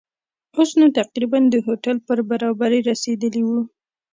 اوس نو تقریباً د هوټل پر برابري رسېدلي وو.